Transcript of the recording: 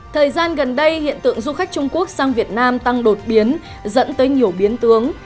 thời gian gần đây hiện tượng du khách trung quốc sang việt nam tăng đột biến dẫn tới nhiều biến tướng